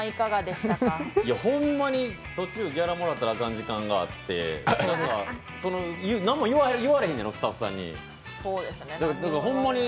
ほんまに途中ギャラもらったらあかん時間があって、何も言われへんのやろ、スタッフさんに？